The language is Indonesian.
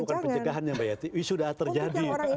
kalau ini bukan pencegahan ya mbak yati